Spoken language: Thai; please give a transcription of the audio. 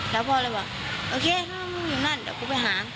แล้วพ่อเลยบอกโอเคมึงอยู่นั่นเดี๋ยวกูไปหา